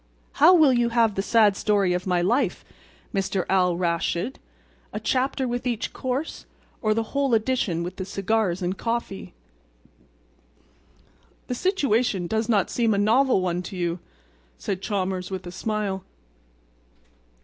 How will you have the sad story of my life, Mr. Al Raschid—a chapter with each course or the whole edition with the cigars and coffee?" "The situation does not seem a novel one to you," said Chalmers with a smile.